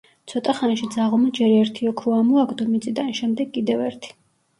ცოტა ხანში ძაღლმა ჯერ ერთი ოქრო ამოაგდო მიწიდან, შემდეგ კიდევ ერთი.